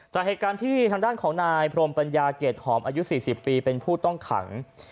จากเหตุการณ์ที่ทางด้านของนายพรมปัญญาเกรดหอมอายุ๔๐ปีเป็นผู้ต้องขัง